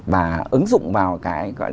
và ứng dụng vào cái